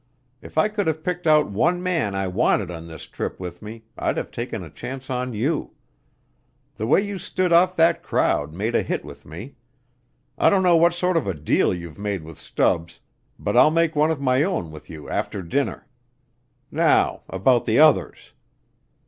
If I could have picked out one man I wanted on this trip with me I'd have taken a chance on you. The way you stood off that crowd made a hit with me. I don't know what sort of a deal you've made with Stubbs, but I'll make one of my own with you after dinner. Now about the others.